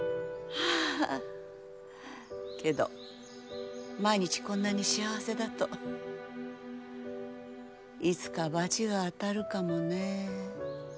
けど毎日こんなに幸せだといつかバチが当たるかもね。